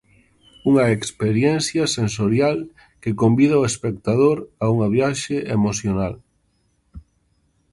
Unha experiencia sensorial, que convida o espectador a unha viaxe emocional.